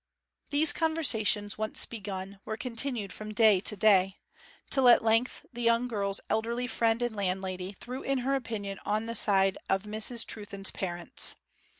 These conversations, once begun, were continued from day to day; till at length the young girl's elderly friend and landlady threw in her opinion on the side of Miss Trewthen's parents.